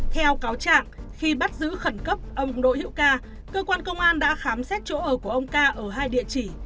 theo cáo trạng khi bắt giữ khẩn cấp ông đỗ hữu ca cơ quan công an đã khám xét chỗ ở của ông ca ở hai địa chỉ